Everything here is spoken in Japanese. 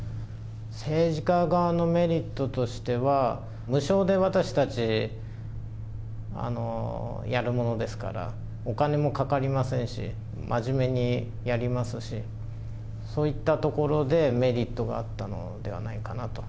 政治家側のメリットとしては、無償で私たちやるものですから、お金もかかりませんし、真面目にやりますし、そういったところでメリットがあったのではないかなと。